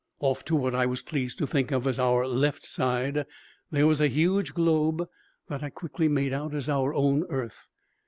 Off to what I was pleased to think of as our left side, there was a huge globe that I quickly made out as our own earth.